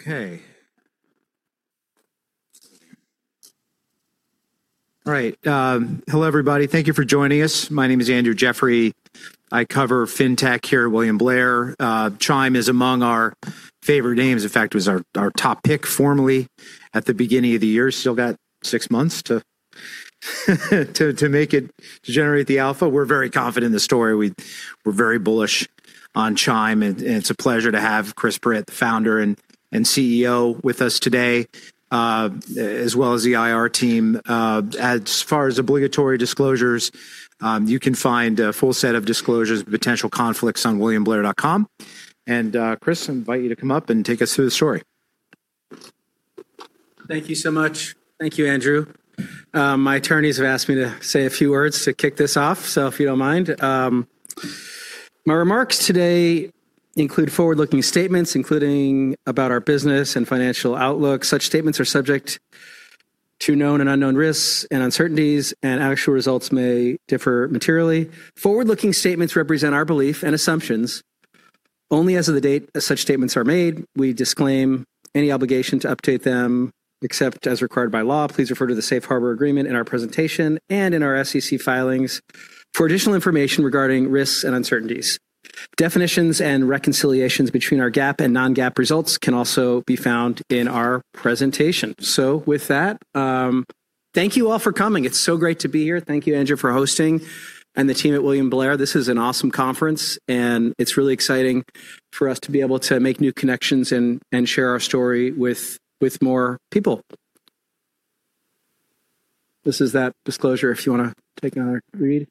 Okay. All right. Hello everybody. Thank you for joining us. My name is Andrew Jeffrey. I cover fintech here at William Blair. Chime is among our favorite names. In fact, it was our top pick formerly at the beginning of the year. Still got six months to generate the alpha. We're very confident in the story. We're very bullish on Chime. It's a pleasure to have Chris Britt, the Founder and CEO with us today, as well as the IR team. As far as obligatory disclosures, you can find a full set of disclosures of potential conflicts on williamblair.com. Chris, I invite you to come up and take us through the story. Thank you so much. Thank you, Andrew. My attorneys have asked me to say a few words to kick this off. If you don't mind. My remarks today include forward-looking statements, including about our business and financial outlook. Such statements are subject to known and unknown risks and uncertainties, and actual results may differ materially. Forward-looking statements represent our belief and assumptions only as of the date as such statements are made. We disclaim any obligation to update them, except as required by law. Please refer to the safe harbor agreement in our presentation and in our SEC filings for additional information regarding risks and uncertainties. Definitions and reconciliations between our GAAP and non-GAAP results can also be found in our presentation. With that, thank you all for coming. It's so great to be here. Thank you, Andrew, for hosting, and the team at William Blair. This is an awesome conference, and it's really exciting for us to be able to make new connections and share our story with more people. This is that disclosure if you want to take another read.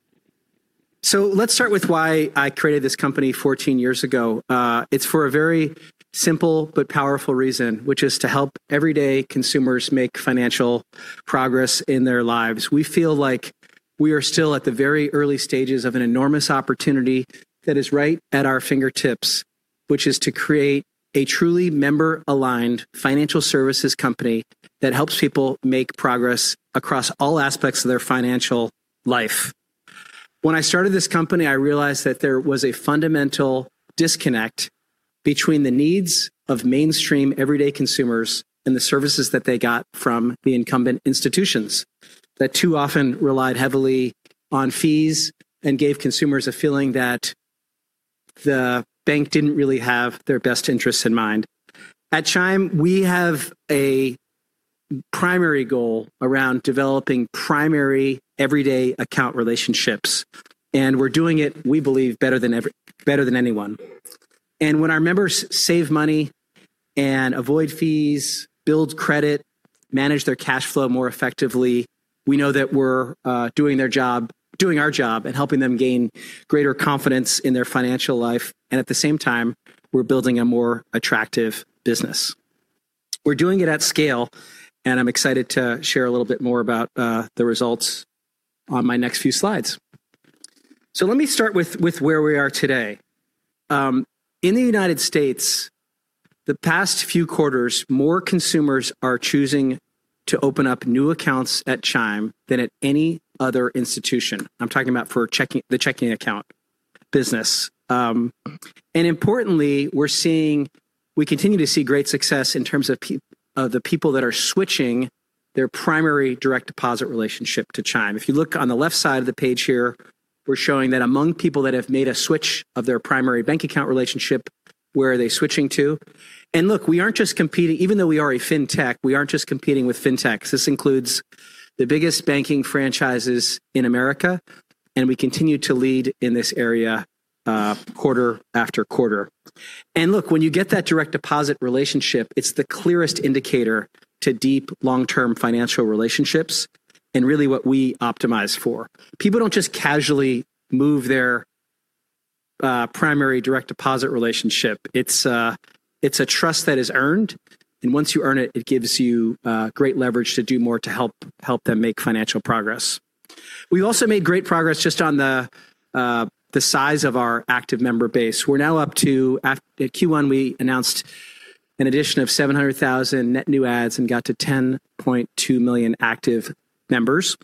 Let's start with why I created this company 14 years ago. It's for a very simple but powerful reason, which is to help everyday consumers make financial progress in their lives. We feel like we are still at the very early stages of an enormous opportunity that is right at our fingertips, which is to create a truly member-aligned financial services company that helps people make progress across all aspects of their financial life. When I started this company, I realized that there was a fundamental disconnect between the needs of mainstream everyday consumers and the services that they got from the incumbent institutions, that too often relied heavily on fees and gave consumers a feeling that the bank didn't really have their best interests in mind. At Chime, we have a primary goal around developing primary everyday account relationships. We're doing it, we believe, better than anyone. When our members save money and avoid fees, build credit, manage their cash flow more effectively, we know that we're doing our job and helping them gain greater confidence in their financial life, and at the same time, we're building a more attractive business. We're doing it at scale, and I'm excited to share a little bit more about the results on my next few slides. Let me start with where we are today. In the United States, the past few quarters, more consumers are choosing to open up new accounts at Chime than at any other institution. I'm talking about for the checking account business. Importantly, we continue to see great success in terms of the people that are switching their primary direct deposit relationship to Chime. If you look on the left side of the page here, we're showing that among people that have made a switch of their primary bank account relationship, where are they switching to? Look, even though we are a fintech, we aren't just competing with fintechs. This includes the biggest banking franchises in America, and we continue to lead in this area quarter after quarter. Look, when you get that direct deposit relationship, it's the clearest indicator to deep, long-term financial relationships, and really what we optimize for. People don't just casually move their primary direct deposit relationship. It's a trust that is earned. Once you earn it gives you great leverage to do more to help them make financial progress. We've also made great progress just on the size of our active member base. At Q1, we announced an addition of 700,000 net new adds and got to 10.2 million active members.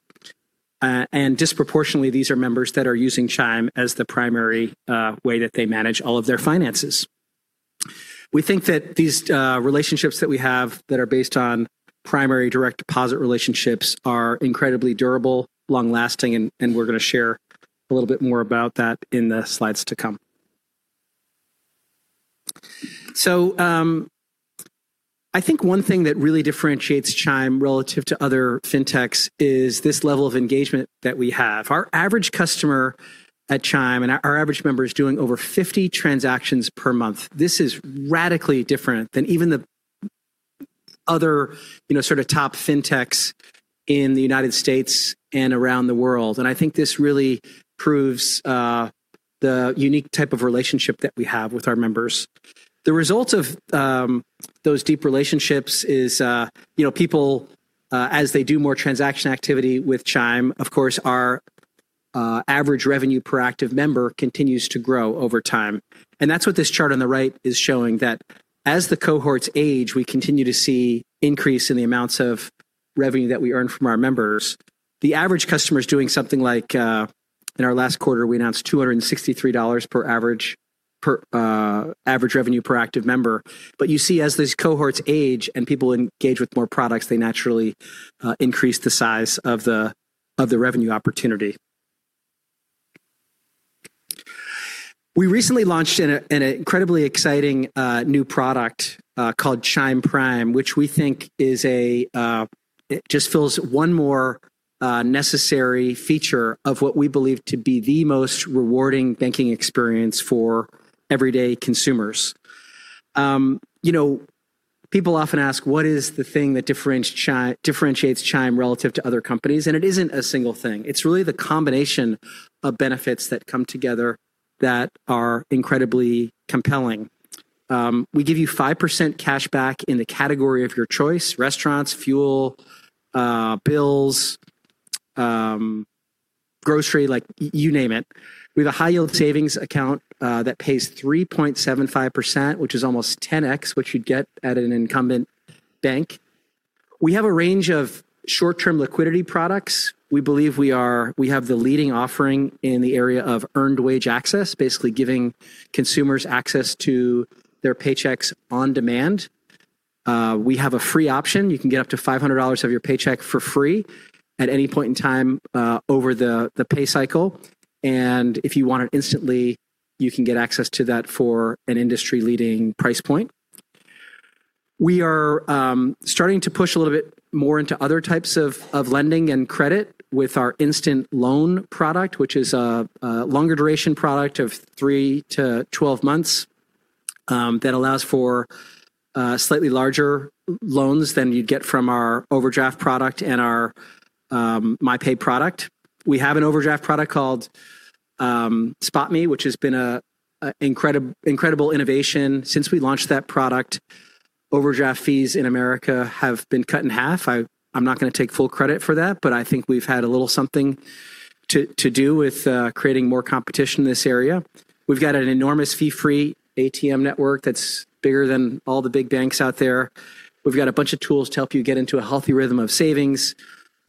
Disproportionately, these are members that are using Chime as the primary way that they manage all of their finances. We think that these relationships that we have that are based on primary direct deposit relationships are incredibly durable, long-lasting, and we're going to share a little bit more about that in the slides to come. I think one thing that really differentiates Chime relative to other fintechs is this level of engagement that we have. Our average customer at Chime and our average member is doing over 50 transactions per month. This is radically different than even the other top fintechs in the United States and around the world. I think this really proves the unique type of relationship that we have with our members. The result of those deep relationships is people, as they do more transaction activity with Chime, of course, our average revenue per active member continues to grow over time. That's what this chart on the right is showing, that as the cohorts age, we continue to see increase in the amounts of revenue that we earn from our members. In our last quarter, we announced $263 per average revenue per active member. You see as these cohorts age and people engage with more products, they naturally increase the size of the revenue opportunity. We recently launched an incredibly exciting new product called Chime Prime, which we think just fills one more necessary feature of what we believe to be the most rewarding banking experience for everyday consumers. People often ask, what is the thing that differentiates Chime relative to other companies? It isn't a single thing. It's really the combination of benefits that come together that are incredibly compelling. We give you 5% cashback in the category of your choice, restaurants, fuel, bills, grocery, you name it. We have a high-yield savings account that pays 3.75%, which is almost 10x what you'd get at an incumbent bank. We have a range of short-term liquidity products. We believe we have the leading offering in the area of earned wage access, basically giving consumers access to their paychecks on demand. We have a free option. You can get up to $500 of your paycheck for free at any point in time over the pay cycle. If you want it instantly, you can get access to that for an industry-leading price point. We are starting to push a little bit more into other types of lending and credit with our Instant Loans product, which is a longer duration product of three to 12 months, that allows for slightly larger loans than you'd get from our overdraft product and our MyPay product. We have an overdraft product called SpotMe, which has been an incredible innovation. Since we launched that product, overdraft fees in America have been cut in 1/2. I'm not going to take full credit for that, but I think we've had a little something to do with creating more competition in this area. We've got an enormous fee-free ATM network that's bigger than all the big banks out there. We've got a bunch of tools to help you get into a healthy rhythm of savings.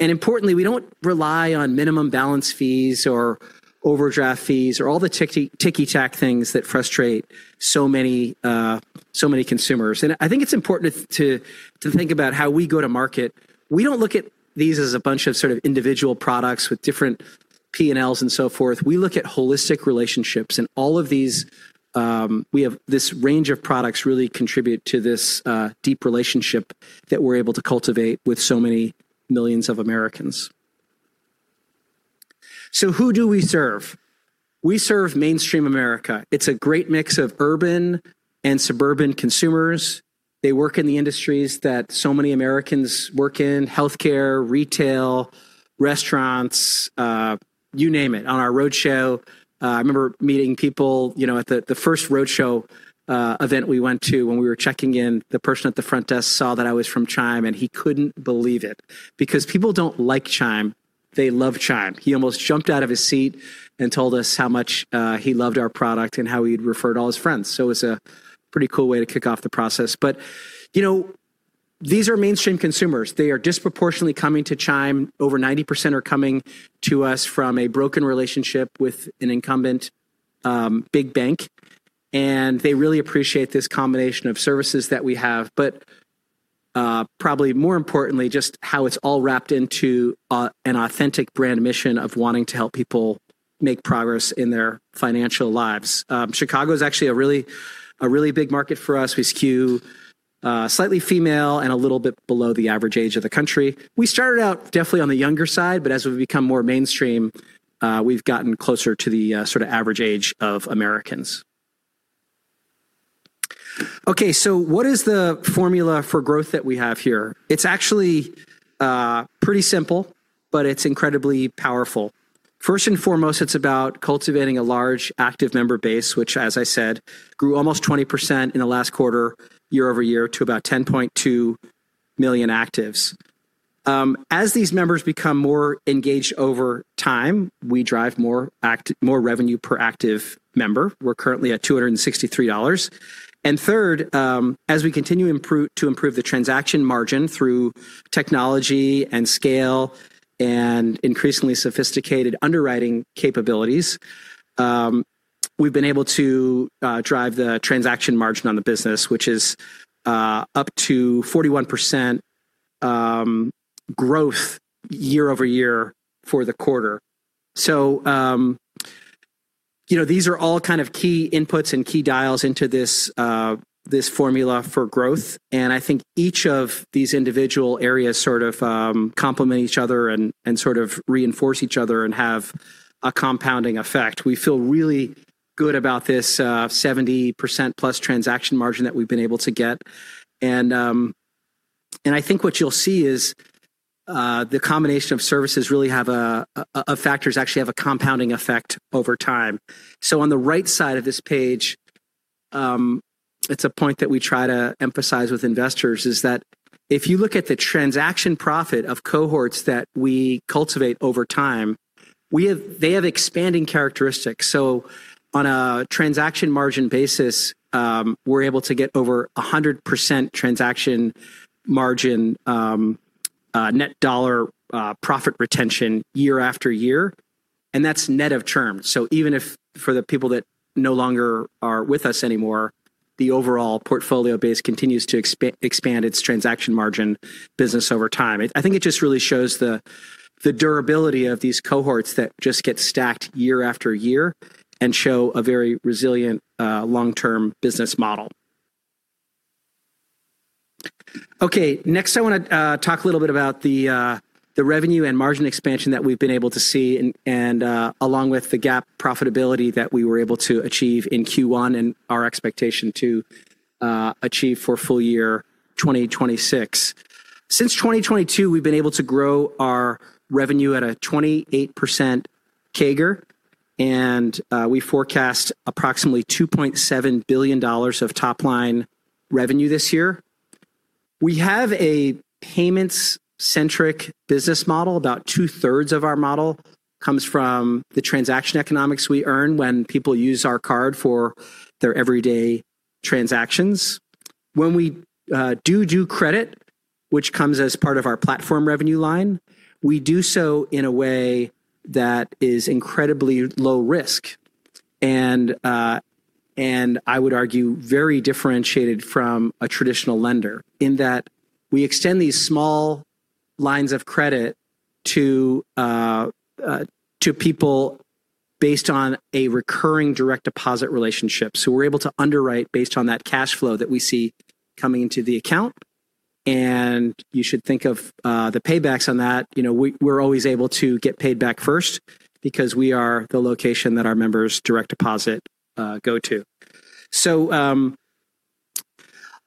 Importantly, we don't rely on minimum balance fees or overdraft fees or all the ticky-tack things that frustrate so many consumers. I think it's important to think about how we go to market. We don't look at these as a bunch of individual products with different P&Ls and so forth. We look at holistic relationships and all of these. We have this range of products really contribute to this deep relationship that we're able to cultivate with so many millions of Americans. Who do we serve? We serve mainstream America. It's a great mix of urban and suburban consumers. They work in the industries that so many Americans work in, healthcare, retail, restaurants, you name it. On our roadshow, I remember meeting people at the first roadshow event we went to when we were checking in. The person at the front desk saw that I was from Chime, and he couldn't believe it because people don't like Chime. They love Chime. He almost jumped out of his seat and told us how much he loved our product and how he'd referred all his friends. It's a pretty cool way to kick off the process. These are mainstream consumers. They are disproportionately coming to Chime. Over 90% are coming to us from a broken relationship with an incumbent big bank, and they really appreciate this combination of services that we have. Probably more importantly, just how it's all wrapped into an authentic brand mission of wanting to help people make progress in their financial lives. Chicago is actually a really big market for us. We skew slightly female and a little bit below the average age of the country. We started out definitely on the younger side, but as we've become more mainstream, we've gotten closer to the average age of Americans. What is the formula for growth that we have here? It's actually pretty simple, but it's incredibly powerful. First and foremost, it's about cultivating a large active member base, which, as I said, grew almost 20% in the last quarter, year-over-year to about 10.2 million actives. As these members become more engaged over time, we drive more revenue per active member. We're currently at $263. Third, as we continue to improve the transaction margin through technology and scale and increasingly sophisticated underwriting capabilities, we've been able to drive the transaction margin on the business, which is up to 41% growth year-over-year for the quarter. These are all key inputs and key dials into this formula for growth. I think each of these individual areas complement each other and reinforce each other and have a compounding effect. We feel really good about this 70%+ transaction margin that we've been able to get. I think what you'll see is the combination of services really have factors actually have a compounding effect over time. On the right side of this page, it's a point that we try to emphasize with investors is that if you look at the transaction profit of cohorts that we cultivate over time, they have expanding characteristics. On a transaction margin basis, we're able to get over 100% transaction margin net dollar profit retention year after year, and that's net of churn. Even for the people that no longer are with us anymore, the overall portfolio base continues to expand its transaction margin business over time. I think it just really shows the durability of these cohorts that just get stacked year after year and show a very resilient long-term business model. Next I want to talk a little bit about the revenue and margin expansion that we've been able to see, and along with the GAAP profitability that we were able to achieve in Q1 and our expectation to achieve for full year 2026. Since 2022, we've been able to grow our revenue at a 28% CAGR, and we forecast approximately $2.7 billion of top-line revenue this year. We have a payments-centric business model. About 2/3 of our model comes from the transaction economics we earn when people use our card for their everyday transactions. When we do due credit, which comes as part of our platform revenue line, we do so in a way that is incredibly low risk, and I would argue very differentiated from a traditional lender in that we extend these small lines of credit to people based on a recurring direct deposit relationship. We're able to underwrite based on that cash flow that we see coming into the account, and you should think of the paybacks on that. We're always able to get paid back first because we are the location that our members' direct deposit go to.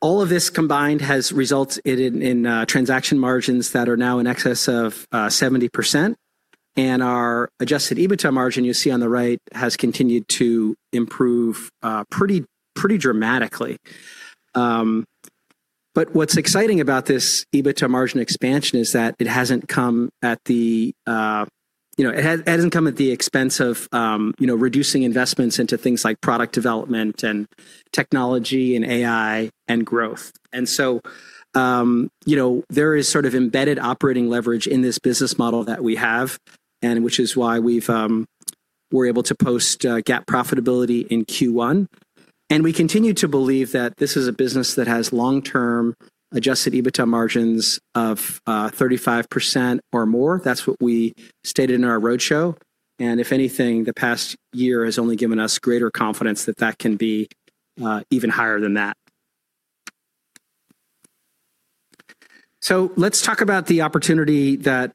All of this combined has resulted in transaction margins that are now in excess of 70%, and our adjusted EBITDA margin you see on the right has continued to improve pretty dramatically. What's exciting about this EBITDA margin expansion is that it hasn't come at the expense of reducing investments into things like product development and technology and AI and growth. There is sort of embedded operating leverage in this business model that we have and which is why we're able to post GAAP profitability in Q1. We continue to believe that this is a business that has long-term adjusted EBITDA margins of 35% or more. That's what we stated in our roadshow, and if anything, the past year has only given us greater confidence that that can be even higher than that. Let's talk about the opportunity that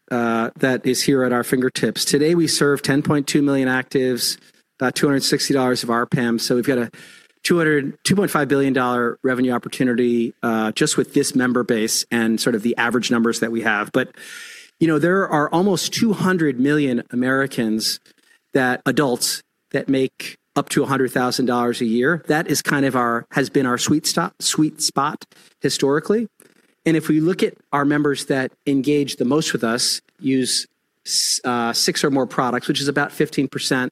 is here at our fingertips. Today we serve 10.2 million actives, about $260 of RPAM. We've got a $2.5 billion revenue opportunity, just with this member base and sort of the average numbers that we have. There are almost 200 million Americans, adults that make up to $100,000 a year. That has been our sweet spot historically. If we look at our members that engage the most with us, use six or more products, which is about 15%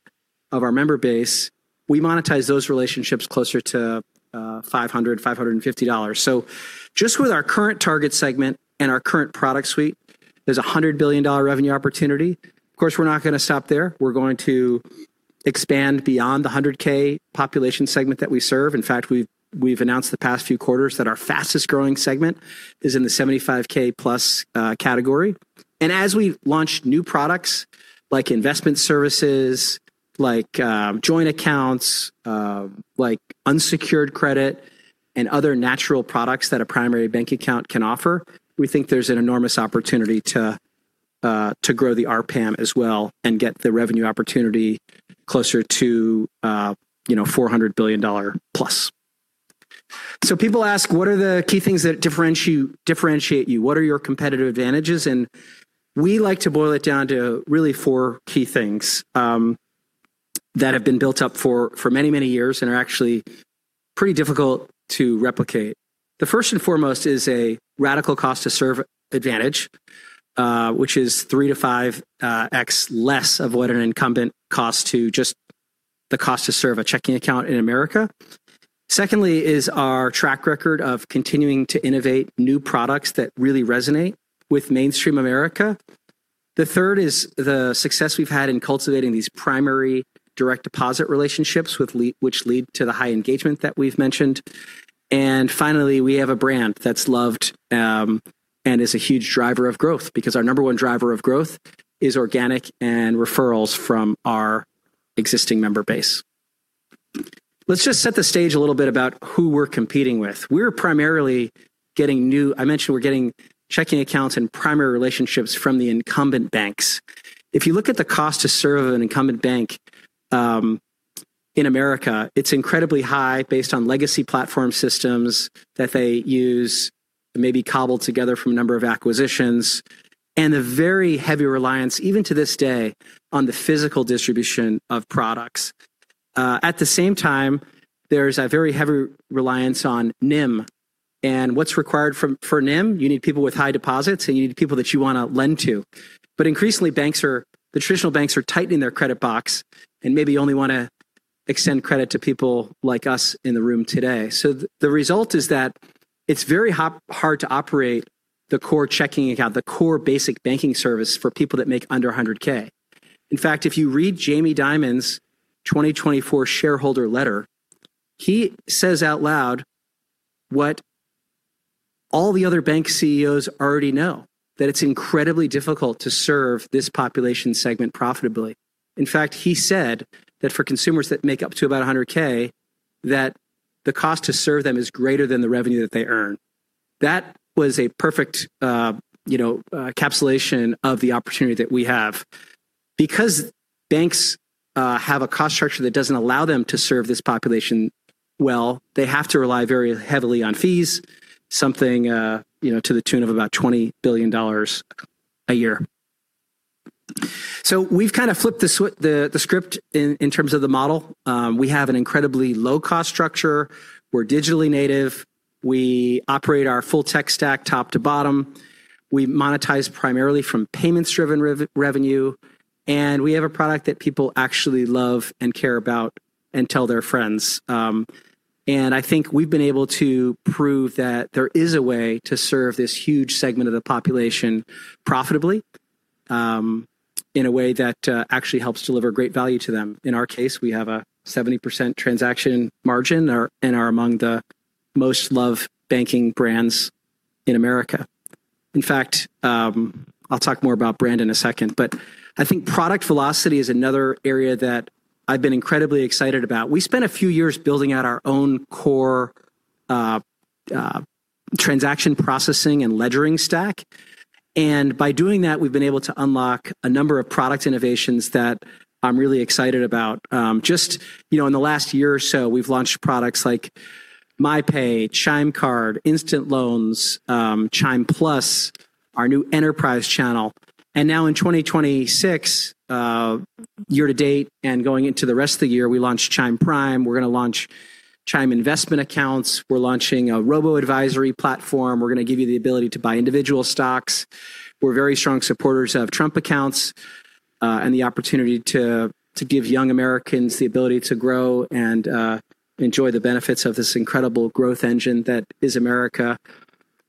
of our member base, we monetize those relationships closer to $500, $550. Just with our current target segment and our current product suite, there's a $100 billion revenue opportunity. Of course, we're not going to stop there. We're going to expand beyond the $100,000 population segment that we serve. In fact, we've announced the past few quarters that our fastest-growing segment is in the $75,000+ category. As we've launched new products like investment services, like joint accounts, like unsecured credit, and other natural products that a primary bank account can offer, we think there's an enormous opportunity to grow the RPAM as well and get the revenue opportunity closer to $400 billion+. People ask, what are the key things that differentiate you? What are your competitive advantages? We like to boil it down to really four key things that have been built up for many, many years and are actually pretty difficult to replicate. The first and foremost is a radical cost-to-serve advantage, which is 3 to 5x less of what an incumbent cost to just the cost to serve a checking account in America. Secondly is our track record of continuing to innovate new products that really resonate with mainstream America. The third is the success we've had in cultivating these primary direct deposit relationships, which lead to the high engagement that we've mentioned. Finally, we have a brand that's loved and is a huge driver of growth, because our number one driver of growth is organic and referrals from our existing member base. Let's just set the stage a little bit about who we're competing with. I mentioned we're getting checking accounts and primary relationships from the incumbent banks. If you look at the cost to serve an incumbent bank in America, it's incredibly high based on legacy platform systems that they use, maybe cobbled together from a number of acquisitions, and a very heavy reliance, even to this day, on the physical distribution of products. At the same time, there is a very heavy reliance on NIM. What's required for NIM? You need people with high deposits, and you need people that you want to lend to. Increasingly, the traditional banks are tightening their credit box and maybe only want to extend credit to people like us in the room today. The result is that it's very hard to operate the core checking account, the core basic banking service for people that make under $100,000. In fact, if you read Jamie Dimon's 2024 shareholder letter, he says out loud what all the other bank CEOs already know, that it's incredibly difficult to serve this population segment profitably. In fact, he said that for consumers that make up to about $100,000, that the cost to serve them is greater than the revenue that they earn. That was a perfect encapsulation of the opportunity that we have. Banks have a cost structure that doesn't allow them to serve this population well, they have to rely very heavily on fees, something to the tune of about $20 billion a year. We've kind of flipped the script in terms of the model. We have an incredibly low cost structure. We're digitally native. We operate our full tech stack top to bottom. We monetize primarily from payments-driven revenue. We have a product that people actually love and care about and tell their friends. I think we've been able to prove that there is a way to serve this huge segment of the population profitably, in a way that actually helps deliver great value to them. In our case, we have a 70% transaction margin and are among the most loved banking brands in America. In fact, I'll talk more about brand in a second. I think product velocity is another area that I've been incredibly excited about. We spent a few years building out our own core, transaction processing and ledgering stack. By doing that, we've been able to unlock a number of product innovations that I'm really excited about. Just in the last year or so, we've launched products like MyPay, Chime Card, Instant Loans, Chime Plus, our new enterprise channel. Now in 2026, year to date and going into the rest of the year, we launched Chime Prime. We're going to launch Chime investment accounts. We're launching a robo-advisory platform. We're going to give you the ability to buy individual stocks. We're very strong supporters of custodial accounts, and the opportunity to give young Americans the ability to grow and enjoy the benefits of this incredible growth engine that is America.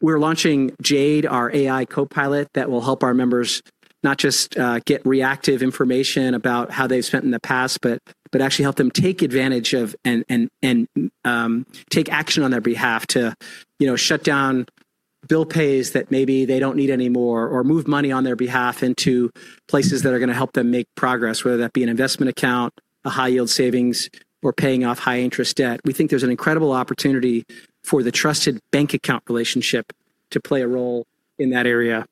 We're launching Jade, our AI copilot, that will help our members not just get reactive information about how they've spent in the past, but actually help them take advantage of and take action on their behalf to shut down bill pays that maybe they don't need anymore, or move money on their behalf into places that are going to help them make progress, whether that be an investment account, a high yield savings, or paying off high-interest debt. We think there's an incredible opportunity for the trusted bank account relationship to play a role in that area.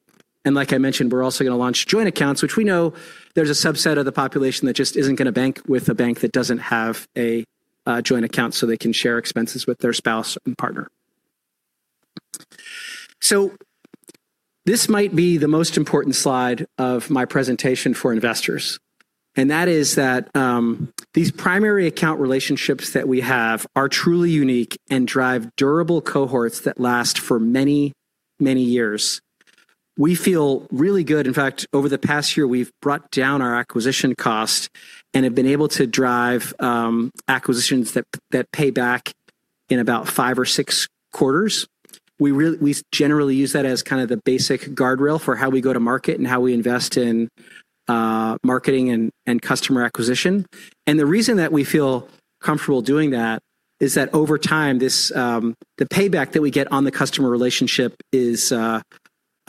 Like I mentioned, we're also going to launch joint accounts, which we know there's a subset of the population that just isn't going to bank with a bank that doesn't have a joint account so they can share expenses with their spouse and partner. This might be the most important slide of my presentation for investors, and that is that these primary account relationships that we have are truly unique and drive durable cohorts that last for many, many years. We feel really good. In fact, over the past year, we've brought down our acquisition cost and have been able to drive acquisitions that pay back in about five or six quarters. We generally use that as the basic guardrail for how we go to market and how we invest in marketing and customer acquisition. The reason that we feel comfortable doing that is that over time, the payback that we get on the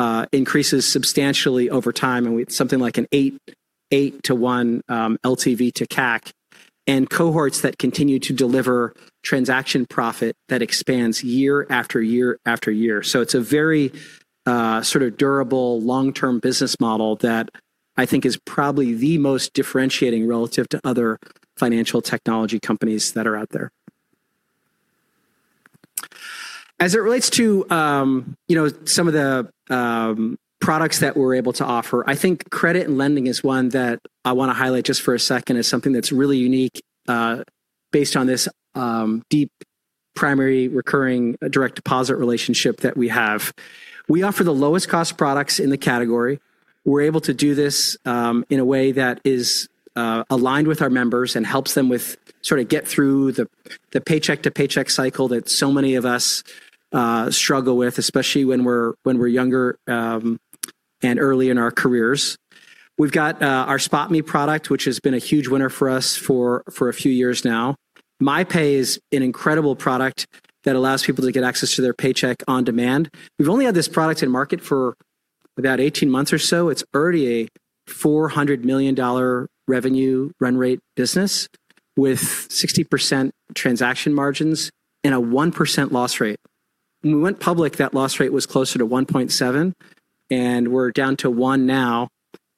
customer relationship increases substantially over time and with something like an 8 to 1 LTV to CAC, and cohorts that continue to deliver transaction profit that expands year after year after year. It's a very durable long-term business model that I think is probably the most differentiating relative to other financial technology companies that are out there. As it relates to some of the products that we're able to offer, I think credit and lending is one that I want to highlight just for a second as something that's really unique, based on this deep primary recurring direct deposit relationship that we have. We offer the lowest cost products in the category. We're able to do this in a way that is aligned with our members and helps them get through the paycheck to paycheck cycle that so many of us struggle with, especially when we're younger and early in our careers. We've got our SpotMe product, which has been a huge winner for us for a few years now. MyPay is an incredible product that allows people to get access to their paycheck on demand. We've only had this product in market for about 18 months or so. It's already a $400 million revenue run rate business with 60% transaction margins and a 1% loss rate. When we went public, that loss rate was closer to 1.7% and we're down to 1% now,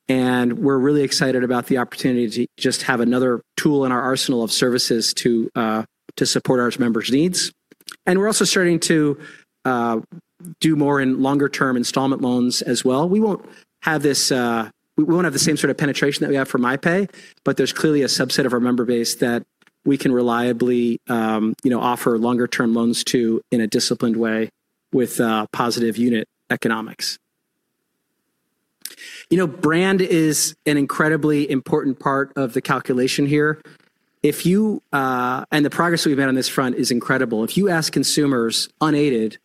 and we're really excited about the opportunity to just have another tool in our arsenal of services to support our members' needs. We're also starting to do more in longer term installment loans as well. We won't have the same sort of penetration that we have for MyPay, but there's clearly a subset of our member base that we can reliably offer longer term loans to in a disciplined way with positive unit economics. Brand is an incredibly important part of the calculation here. The progress we've made on this front is incredible. If you ask consumers unaided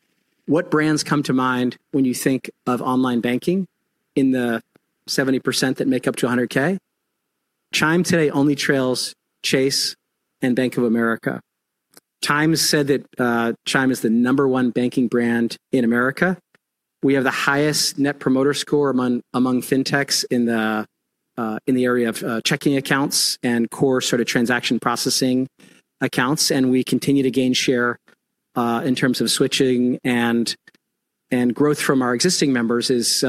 what brands come to mind when you think of online banking in the 70% that make up to $100,000, Chime today only trails Chase and Bank of America. TIME said that Chime is the number one banking brand in America. We have the highest net promoter score among fintechs in the area of checking accounts and core transaction processing accounts. We continue to gain share in terms of switching, and growth from our existing members is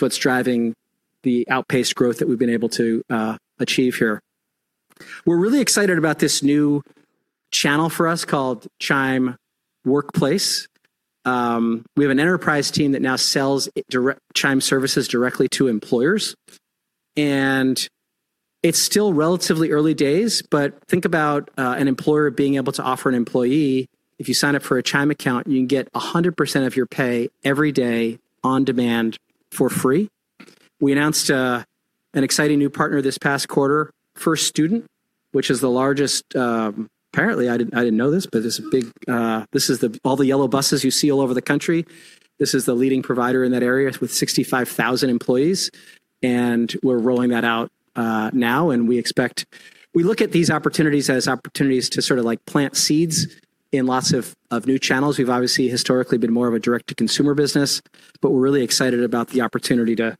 what's driving the outpaced growth that we've been able to achieve here. We're really excited about this new channel for us called Chime Workplace. We have an enterprise team that now sells Chime services directly to employers, and it's still relatively early days. Think about an employer being able to offer an employee, if you sign up for a Chime account, you can get 100% of your pay every day on demand for free. We announced an exciting new partner this past quarter, First Student, which is the largest, apparently, I didn't know this, but this is all the yellow buses you see all over the country. This is the leading provider in that area with 65,000 employees. We're rolling that out now. We look at these opportunities as opportunities to plant seeds in lots of new channels. We've obviously historically been more of a direct-to-consumer business. We're really excited about the opportunity to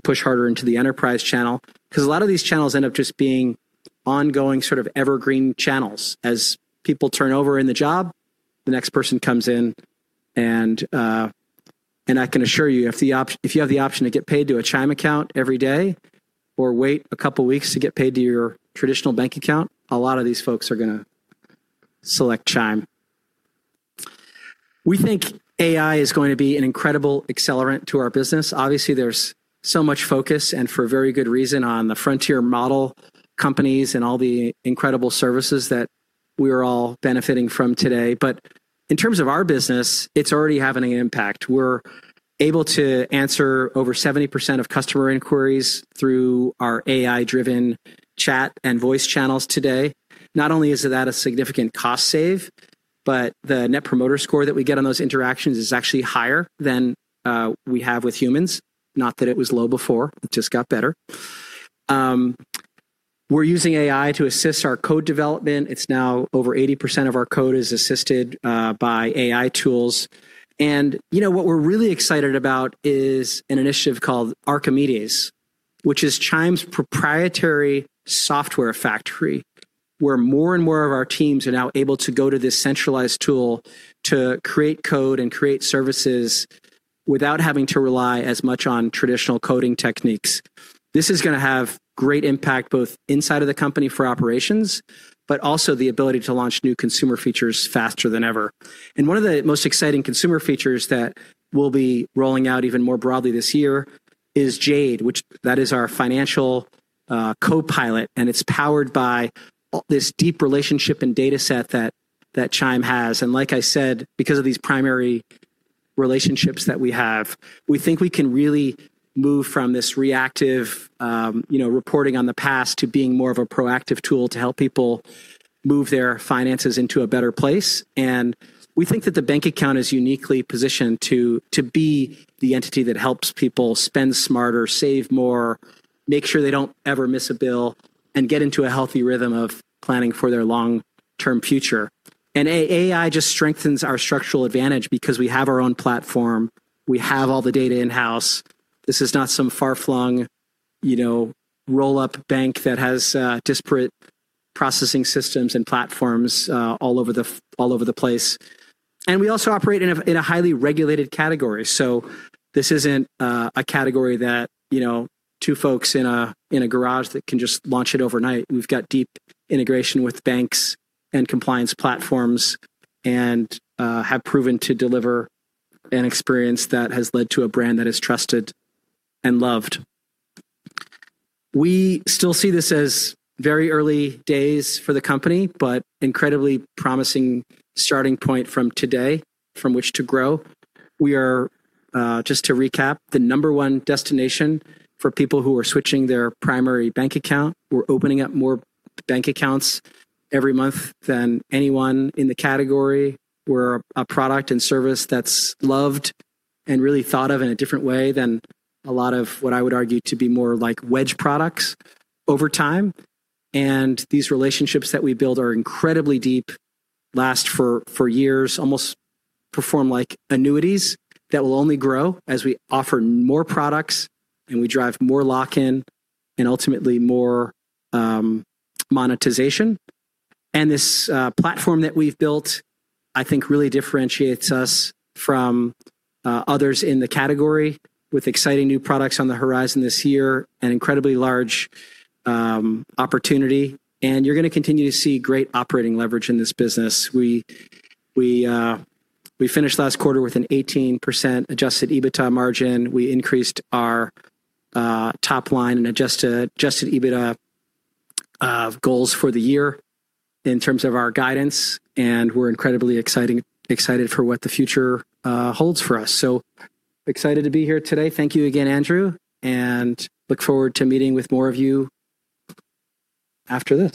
push harder into the enterprise channel, because a lot of these channels end up just being ongoing evergreen channels. As people turn over in the job, the next person comes in. I can assure you, if you have the option to get paid to a Chime account every day or wait a couple of weeks to get paid to your traditional bank account, a lot of these folks are going to select Chime. We think AI is going to be an incredible accelerant to our business. Obviously, there's so much focus, and for a very good reason, on the frontier model companies and all the incredible services that we are all benefiting from today. In terms of our business, it's already having an impact. We're able to answer over 70% of customer inquiries through our AI-driven chat and voice channels today. Not only is that a significant cost save, but the net promoter score that we get on those interactions is actually higher than we have with humans. Not that it was low before. It just got better. We're using AI to assist our code development. It's now over 80% of our code is assisted by AI tools. What we're really excited about is an initiative called Archimedes, which is Chime's proprietary software factory, where more and more of our teams are now able to go to this centralized tool to create code and create services without having to rely as much on traditional coding techniques. This is going to have great impact both inside of the company for operations, but also the ability to launch new consumer features faster than ever. One of the most exciting consumer features that we'll be rolling out even more broadly this year is Jade, which is our financial co-pilot, and it's powered by this deep relationship and data set that Chime has. Like I said, because of these primary relationships that we have, we think we can really move from this reactive reporting on the past to being more of a proactive tool to help people move their finances into a better place. We think that the bank account is uniquely positioned to be the entity that helps people spend smarter, save more, make sure they don't ever miss a bill, and get into a healthy rhythm of planning for their long-term future. AI just strengthens our structural advantage because we have our own platform. We have all the data in-house. This is not some far-flung roll-up bank that has disparate processing systems and platforms all over the place. We also operate in a highly regulated category. This isn't a category that two folks in a garage that can just launch it overnight. We've got deep integration with banks and compliance platforms, and have proven to deliver an experience that has led to a brand that is trusted and loved. We still see this as very early days for the company, but incredibly promising starting point from today from which to grow. We are, just to recap, the number one destination for people who are switching their primary bank account. We're opening up more bank accounts every month than anyone in the category. We're a product and service that's loved and really thought of in a different way than a lot of what I would argue to be more like wedge products over time. These relationships that we build are incredibly deep, last for years. Almost perform like annuities that will only grow as we offer more products, and we drive more lock-in, and ultimately more monetization. This platform that we've built, I think, really differentiates us from others in the category with exciting new products on the horizon this year and incredibly large opportunity. You're going to continue to see great operating leverage in this business. We finished last quarter with an 18% adjusted EBITDA margin. We increased our top line and adjusted EBITDA goals for the year in terms of our guidance, and we're incredibly excited for what the future holds for us. We are excited to be here today. Thank you again, Andrew, and look forward to meeting with more of you after this.